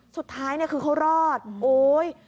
สุดท้ายคือเขารอดโอ้ย